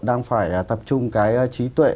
đang phải tập trung cái trí tuệ